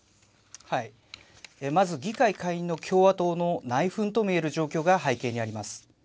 まず議会下院の共和党の内紛ともいえる状況が背景にあります。